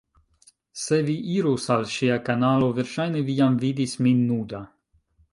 Se vi irus al ŝia kanalo verŝajne vi jam vidis min nuda